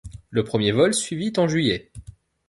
Le premier vol suivit en juillet.